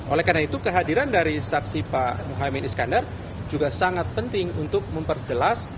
oleh karena itu kehadiran dari saksi pak muhaymin iskandar juga sangat penting untuk memperjelas